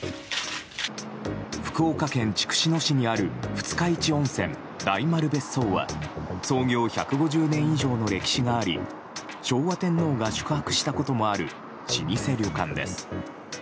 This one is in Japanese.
福岡県筑紫野市にある二日市温泉・大丸別荘は創業１５０年以上の歴史があり昭和天皇が宿泊したこともある老舗旅館です。